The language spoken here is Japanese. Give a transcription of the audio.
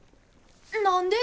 何で？